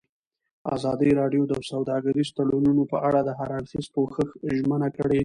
ازادي راډیو د سوداګریز تړونونه په اړه د هر اړخیز پوښښ ژمنه کړې.